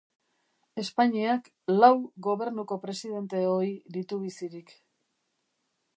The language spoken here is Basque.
Espainiak lau Gobernuko presidente ohi ditu bizirik.